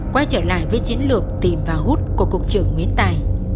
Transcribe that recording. quay trở lại với chiến lược tìm và hút của cục trưởng nguyễn tài